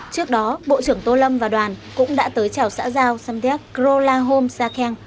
trước đó bộ trưởng tô lâm và đoàn cũng đã tới chào xã giao samdeck krolahom sakeng